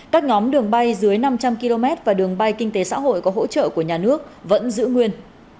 các nhóm đường bay dưới năm trăm linh km và đường bay kinh tế xã hội có hỗ trợ của nhà nước vẫn giữ nguyên